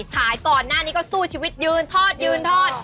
ก่อนหน้านี้ก็สู้ชีวิตยืนทอดยืนทอด